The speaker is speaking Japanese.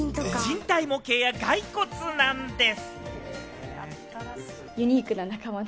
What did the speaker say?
人体模型や骸骨なんです。